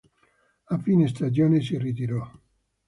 A fine stagione si ritirò.